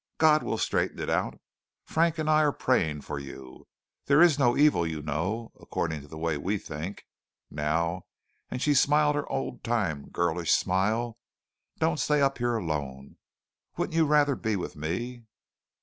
God will straighten it out. Frank and I are praying for you. There is no evil, you know, according to the way we think. Now" and she smiled her old time girlish smile "don't stay up here alone. Wouldn't you rather be with me?"